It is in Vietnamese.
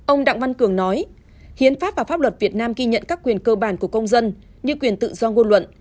ông đặng văn cường nói hiến pháp và pháp luật việt nam ghi nhận các quyền cơ bản của công dân như quyền tự do ngôn luận